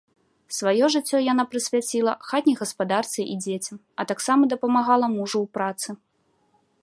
Сваё жыццё яна прысвяціла хатняй гаспадарцы і дзецям, а таксама дапамагала мужу ў працы.